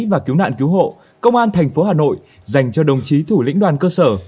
và cứu nạn cứu hộ công an thành phố hà nội dành cho đồng chí thủ lĩnh đoàn cơ sở